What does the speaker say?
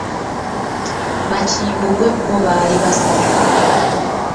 Bakimbugwe bo baali basatu.